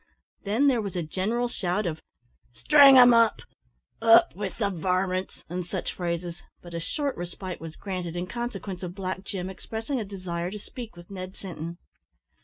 Then there was a general shout of "String 'em up!" "Up wi' the varmints!" and such phrases; but a short respite was granted in consequence of Black Jim expressing a desire to speak with Ned Sinton.